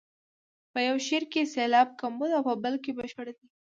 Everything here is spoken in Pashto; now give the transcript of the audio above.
په یو شعر کې سېلاب کمبود او په بل کې بشپړ دی.